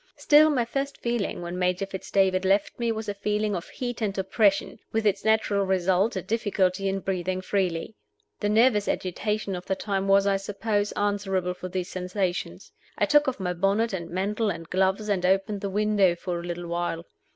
Still, my first feeling, when Major Fitz David left me, was a feeling of heat and oppression, with its natural result, a difficulty in breathing freely. The nervous agitation of the time was, I suppose, answerable for these sensations. I took off my bonnet and mantle and gloves, and opened the window for a little while.